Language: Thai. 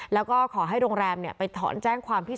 แล้วก็ขอให้โรงแรมไปถอนแจ้งความที่